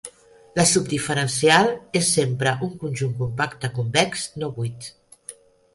La subdiferencial és sempre un conjunt compacte convex no buit.